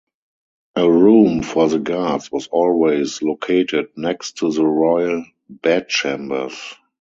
A room for the guards was always located next to the royal bedchambers.